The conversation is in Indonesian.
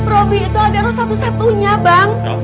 robby itu adalah satu satunya bang